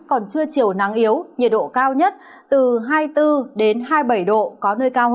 còn trưa chiều nắng yếu nhiệt độ cao nhất từ hai mươi bốn hai mươi bảy độ